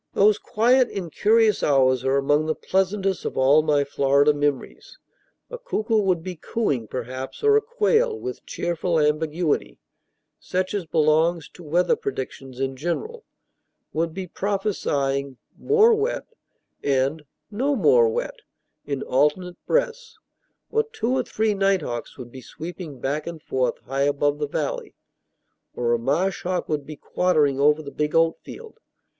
Those quiet, incurious hours are among the pleasantest of all my Florida memories. A cuckoo would be cooing, perhaps; or a quail, with cheerful ambiguity, such as belongs to weather predictions in general, would be prophesying "more wet" and "no more wet" in alternate breaths; or two or three night hawks would be sweeping back and forth high above the valley; or a marsh hawk would be quartering over the big oatfield.